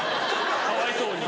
かわいそうに。